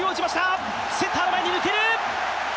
センター前に抜ける。